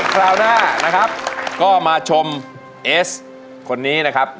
คราวหน้านะครับก็มาชมเอสคนนี้นะครับ